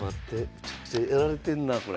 めちゃくちゃやられてんなこれ。